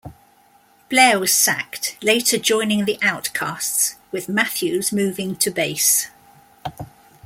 Blair was sacked, later joining the Outcasts, with Matthews moving to bass.